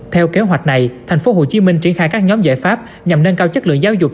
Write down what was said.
theo kế hoạch này tp hcm triển khai các nhóm giải pháp nhằm nâng cao chất lượng giáo dục